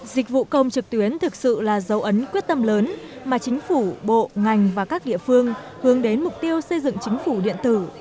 dịch vụ công trực tuyến thực sự là dấu ấn quyết tâm lớn mà chính phủ bộ ngành và các địa phương hướng đến mục tiêu xây dựng chính phủ điện tử